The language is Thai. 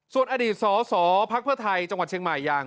ส่วนอดีตสสพักเพื่อไทยจังหวัดเชียงใหม่อย่าง